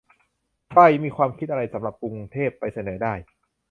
ใครมีความคิดอะไรสำหรับกรุงเทพ ไปเสนอได้